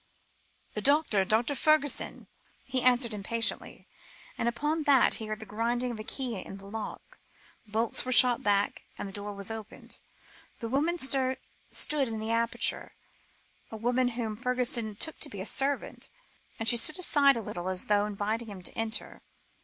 "The doctor Dr. Fergusson," he answered impatiently; and upon that, he heard the grinding of a key in the lock, bolts were shot back, and the door was opened. A woman stood in the aperture, a woman whom Fergusson took to be a servant, and she stood aside, a little, as though inviting him to enter.